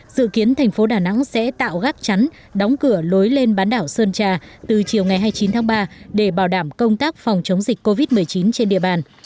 dự kiến thành phố đà nẵng sẽ tạo gác chắn đóng cửa lối lên bán đảo sơn trà từ chiều ngày hai mươi chín tháng ba để bảo đảm công tác phòng chống dịch covid một mươi chín trên địa bàn